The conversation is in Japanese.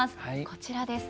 こちらです。